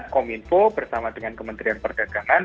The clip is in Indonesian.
kominfo bersama dengan kementerian perdagangan